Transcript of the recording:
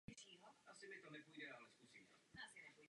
Používal se také v Mezopotámii.